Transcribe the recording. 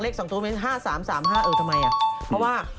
เลข๒ตัวไม่ใช่๕๓๓เออทำไม